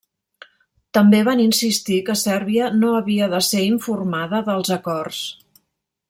També van insistir que Sèrbia no havia de ser informada dels acords.